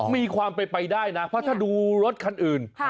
มีความเป็นไปได้นะเพราะถ้าดูรถคันอื่น